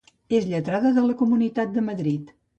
És lletrada de la Comunitat de Madrid.